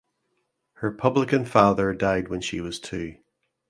Her publican father died when she was two.